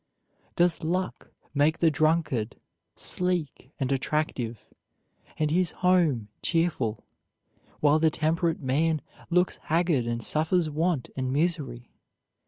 Does luck make the drunkard sleek and attractive, and his home cheerful, while the temperate man looks haggard and suffers want and misery?